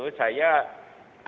boleh saja orang mengklaim begitu itu